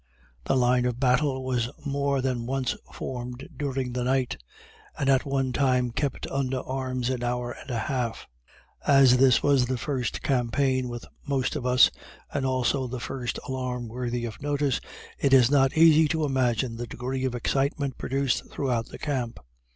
The line of battle was more than once formed during the night, and at one time kept under arms an hour and a half. As this was the the first campaign with most of us, and also the first alarm worthy of notice, it is not easy to imagine the degree of excitement produced throughout the camp.